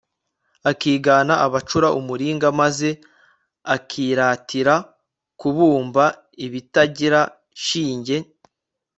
akigana abacura umuringa, maze akiratira kubumba ibitagira shinge